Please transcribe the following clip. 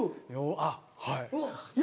あっはい。